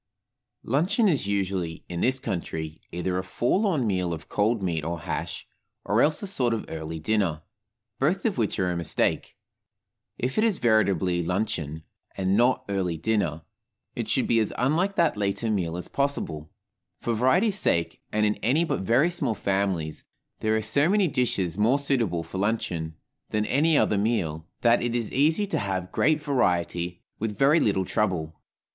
LUNCHEON is usually, in this country, either a forlorn meal of cold meat or hash, or else a sort of early dinner, both of which are a mistake. If it is veritably luncheon, and not early dinner, it should be as unlike that later meal as possible for variety's sake, and, in any but very small families, there are so many dishes more suitable for luncheon than any other meal, that it is easy to have great variety with very little trouble.